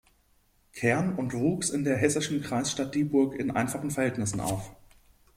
Kern und wuchs in der hessischen Kreisstadt Dieburg in einfachen Verhältnissen auf.